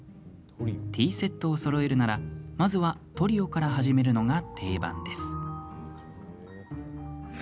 ティーセットをそろえるならまずはトリオから始めるのが定番です。